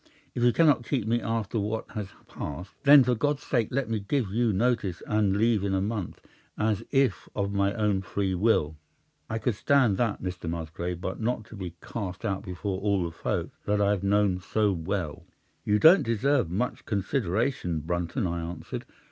If you cannot keep me after what has passed, then for God's sake let me give you notice and leave in a month, as if of my own free will. I could stand that, Mr. Musgrave, but not to be cast out before all the folk that I know so well." "'"You don't deserve much consideration, Brunton," I answered.